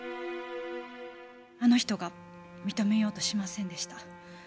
あの人が認めようとしませんでした。